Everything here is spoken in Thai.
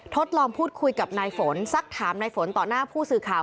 ทดลองพูดคุยกับนายฝนสักถามนายฝนต่อหน้าผู้สื่อข่าว